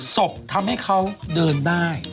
ศพทำให้เขาเดินได้